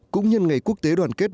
cũng như ngày quốc tế đoàn kết